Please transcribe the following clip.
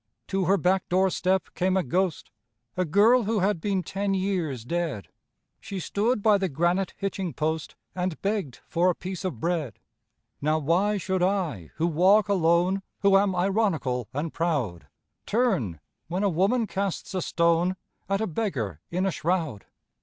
To her back door step came a ghost, A girl who had been ten years dead, She stood by the granite hitching post And begged for a piece of bread. Now why should I, who walk alone, Who am ironical and proud, Turn, when a woman casts a stone At a beggar in a shroud?